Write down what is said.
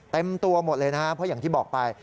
เต็มตัวหมดเลยนะครับเพราะอย่างที่บอกไป